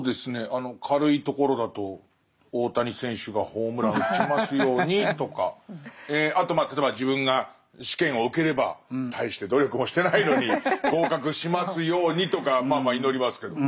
あの軽いところだと大谷選手がホームラン打ちますようにとかあとまあ例えば自分が試験を受ければ大して努力もしてないのに合格しますようにとかまあまあ祈りますけど。